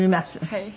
はい。